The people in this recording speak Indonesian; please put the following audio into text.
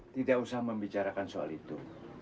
tidak usah membicarakan soal itu